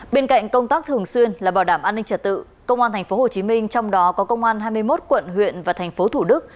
bên cạnh công tác thường xuyên là bảo đảm an ninh trật tự công an tp hcm trong đó có công an hai mươi một quận huyện và thành phố thủ đức